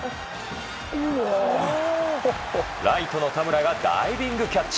ライトの田村がダイビングキャッチ！